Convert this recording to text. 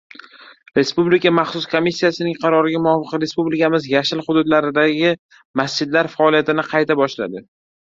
Respublika maxsus komissiyasining qaroriga muvofiq Respublikamiz “yashil” hududlaridagi masjidlar faoliyatini qayta boshladi.